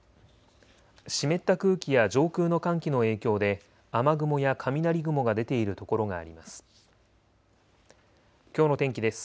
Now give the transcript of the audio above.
湿った空気や上空の寒気の影響で雨雲や雷雲が出ている所があります。